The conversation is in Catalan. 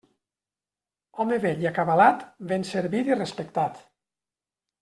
Home vell i acabalat, ben servit i respectat.